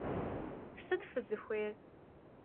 Sıt fızıxuêyr?